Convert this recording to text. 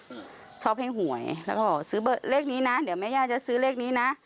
ชอบให้หวยแล้วก็บอกซื้อเบอร์เลขนี้นะเดี๋ยวแม่ย่าจะซื้อเลขนี้นะ